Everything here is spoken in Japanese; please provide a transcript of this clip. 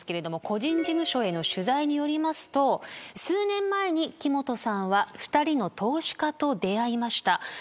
個人事務所への取材によりますと数年前に木本さんは２人の投資家と出会いました。